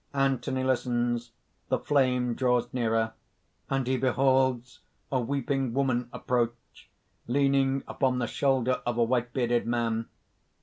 (Anthony listens. The flame draws nearer. _And he beholds a weeping woman approach, leaning upon the shoulder of a white bearded man.